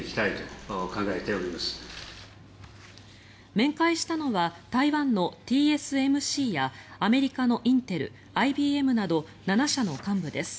面会したのは台湾のＴＳＭＣやアメリカのインテル、ＩＢＭなど７社の幹部です。